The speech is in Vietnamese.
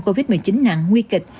covid một mươi chín nặng nguy kịch